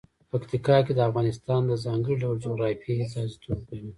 پکتیکا د افغانستان د ځانګړي ډول جغرافیه استازیتوب کوي.